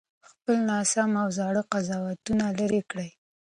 خپل ناسم او زاړه قضاوتونه لرې کړئ.